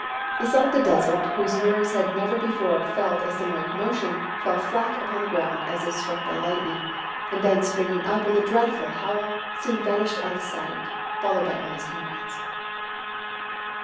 The son of the desert, whose nerves had never before felt a similar commotion, fell flat down upon the ground, as if struck by lightning; and then springing up with a dreadful howl, soon vanished out of sight, followed by all his comrades."